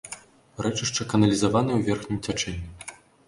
Рэчышча каналізаванае ў верхнім цячэнні.